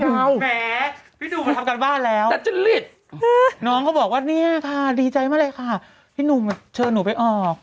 แหมพี่หนุ่มมาทำการบ้านแล้วแต่จริตน้องเขาบอกว่าเนี่ยค่ะดีใจมากเลยค่ะพี่หนุ่มแบบเชิญหนูไปออก